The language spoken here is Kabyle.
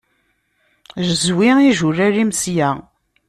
Zwi ijulal-im sya!